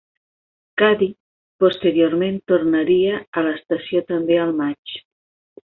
Cuddy posteriorment tornaria a l'estació també al maig.